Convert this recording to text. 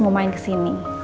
mau main ke sini